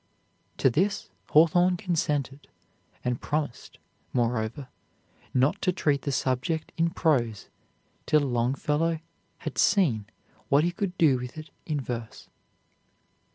To this Hawthorne consented, and promised, moreover, not to treat the subject in prose till Longfellow had seen what he could do with it in verse.